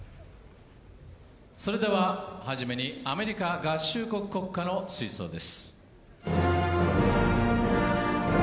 それでははじめにアメリカ合衆国国歌の吹奏です。